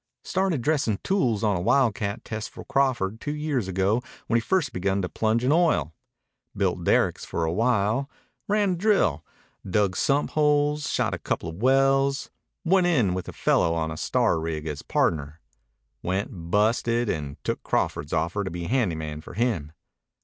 "Started dressin' tools on a wildcat test for Crawford two years ago when he first begun to plunge in oil. Built derricks for a while. Ran a drill. Dug sump holes. Shot a coupla wells. Went in with a fellow on a star rig as pardner. Went busted and took Crawford's offer to be handy man for him.